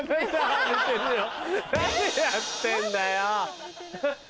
何やってんだよ！